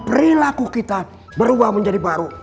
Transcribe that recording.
perilaku kita berubah menjadi baru